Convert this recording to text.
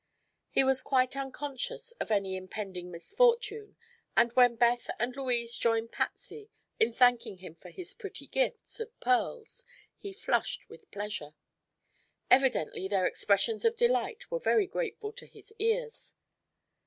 He was quite unconscious of any impending misfortune and when Beth and Louise joined Patsy in thanking him for his pretty gifts of the pearls he flushed with pleasure. Evidently their expressions of delight were very grateful to his ears.